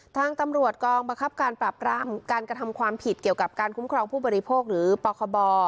ทางตำรวจกองบังคับการปรับรามการกระทำความผิดเกี่ยวกับการคุ้มครองผู้บริโภคหรือปคบ